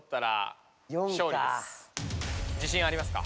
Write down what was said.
自信ありますか？